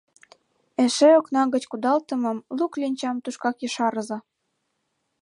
Эше окна гыч кудалтымым, лу кленчам, тушкак ешарыза.